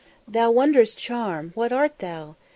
thou wondrous charm, what art thou?